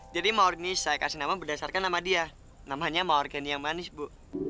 jadi mawar ini saya kasih nama berdasarkan nama dia namanya mawar gany yang manis bu